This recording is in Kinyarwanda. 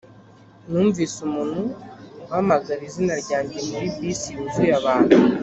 numvise umuntu uhamagara izina ryanjye muri bisi yuzuye abantu.